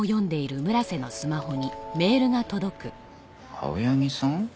青柳さん？